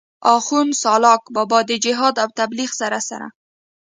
آخون سالاک بابا د جهاد او تبليغ سره سره